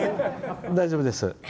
大丈夫です。